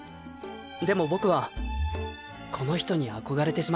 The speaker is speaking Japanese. でも僕はこの人に憧れてしまった。